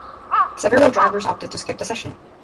Several drivers opted to skip the session.